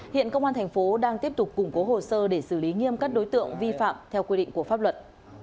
hiện công an tp htn đang tiếp tục củng cố hồ sơ để xử lý nghiêm cắt đối tượng vi phạm theo quy định của pháp luật